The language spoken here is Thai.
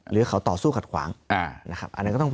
หรือเขาต่อสู้ขัดขวาง